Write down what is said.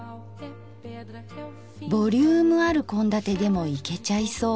ボリュームある献立でもいけちゃいそう。